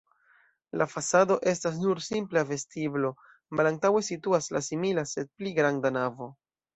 La fasado estas nur simpla vestiblo, malantaŭe situas la simila, sed pli granda navo.